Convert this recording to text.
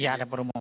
ya dapur umum